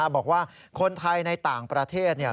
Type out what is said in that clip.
บอกว่าคนไทยในต่างประเทศ